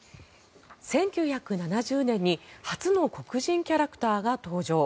１９７０年に初の黒人キャラクターが登場。